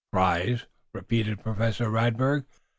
"Prize?" repeated Professor Radberg.